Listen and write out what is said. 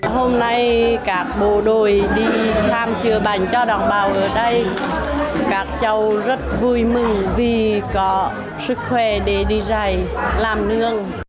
hôm nay các bộ đội đi tham chừa bánh cho đồng bào ở đây các cháu rất vui mừng vì có sức khỏe để đi dạy làm nương